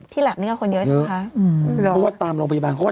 ที่แลปนึงก็คนเยอะนะคะ